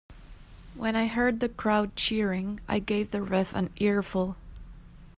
When I heard the crowd cheering, I gave the ref an earful.